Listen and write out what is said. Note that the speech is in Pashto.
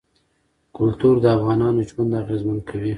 کلتور د افغانانو ژوند اغېزمن کوي.